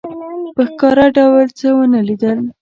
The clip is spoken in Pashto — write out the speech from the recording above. په ښکاره ډول څه ونه لیدل.